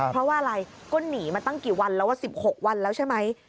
เพราะว่าอะไรก็หนีมาตั้งกี่วันแล้ว๑๖วันแล้วใช่ไหม